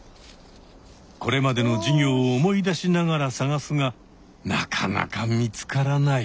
これまでの授業を思い出しながら探すがなかなか見つからない。